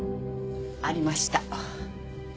ありました。